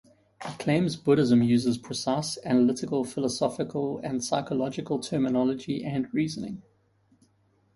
He claims Buddhism uses precise, analytical philosophical and psychological terminology and reasoning.